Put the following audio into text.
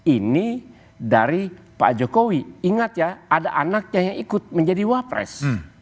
ini dari pak jokowi ingat ya ada anaknya yang ikut menjadi wapres